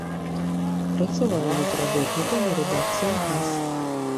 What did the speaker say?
Працаваў літработнікам у рэдакцыях газ.